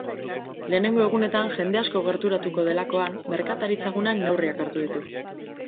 Lehenengo egunetan jende asko gerturatuko delakoan, merkataritza guneak neurriak hartu ditu.